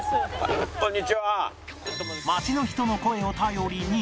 街の人の声を頼りに